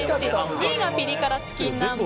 ２位がピリ辛チキン南蛮。